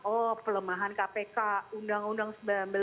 oh pelemahan kpk undang undang sembilan belas